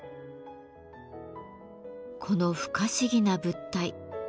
この不可思議な物体。